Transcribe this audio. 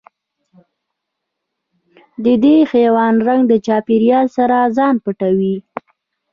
د دې حیوان رنګ د چاپېریال سره ځان پټوي.